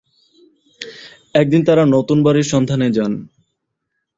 একদিন তাঁরা নতুন বাড়ির সন্ধানে যান।